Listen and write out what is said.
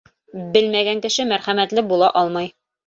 Белмәгән кеше мәрхәмәтле була алмай.